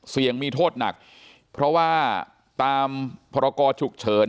เสี่ยงมีโทษหนักเพราะว่าตามพรกรฉุกเฉิน